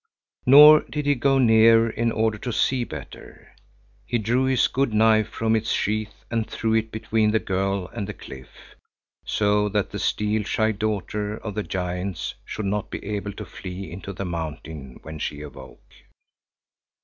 Nor did he go nearer in order to see better. He drew his good knife from its sheath and threw it between the girl and the cliff, so that the steel shy daughter of the giants should not be able to flee into the mountain when she awoke.